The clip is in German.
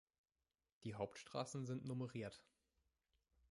Die Hauptstrassen sind nummeriert.